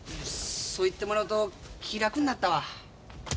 そう言ってもらうと気楽になったわ。